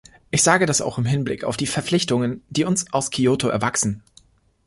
Ich sage das auch im Hinblick auf die Verpflichtungen, die uns aus Kyoto erwachsen.